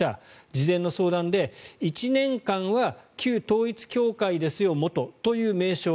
事前の相談で１年間は旧統一教会ですよ、元という名称。